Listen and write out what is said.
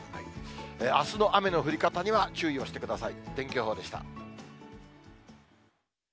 あすの雨の降り方には注意をしてください。